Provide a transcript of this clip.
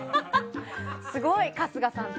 すごい！春日さんって。